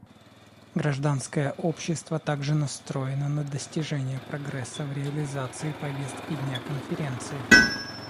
Гражданское общество также настроено на достижение прогресса в реализации повестки дня Конференции.